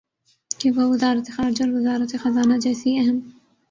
کہ وہ وزارت خارجہ اور وزارت خزانہ جیسی اہم